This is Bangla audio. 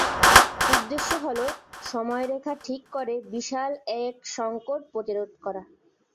উদ্দেশ্য হলো সময়রেখা ঠিক করে বিশাল এক সংকট প্রতিরোধ করা।